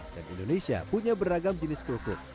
dan indonesia punya beragam jenis kerupuk